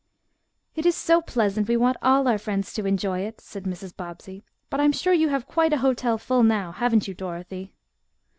"It is so pleasant we want all our friends to enjoy it," said Mrs. Bobbsey. "But I'm sure you have quite a hotel full now, haven't you, Dorothy?"